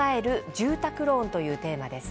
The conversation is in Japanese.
住宅ローン」というテーマです。